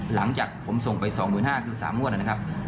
หลังจากผมส่งไป๒๕๐๐คือ๓งวดนะครับ